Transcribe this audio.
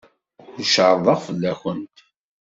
Ur cerrḍeɣ fell-awent.